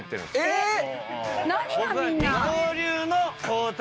えっ？